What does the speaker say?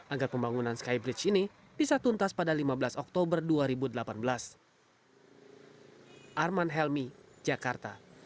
agar pembangunan skybridge ini bisa tuntas pada lima belas oktober dua ribu delapan belas